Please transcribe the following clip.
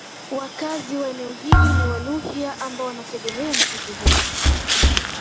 Wakaazi wa eneo hili ni Waluhya ambao wanategemea msitu huu